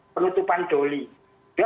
penutupan doli dia